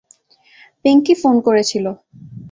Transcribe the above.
Pinki phone করেছিল।